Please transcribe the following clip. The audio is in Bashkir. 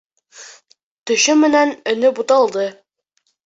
Төшө менән өнө буталды.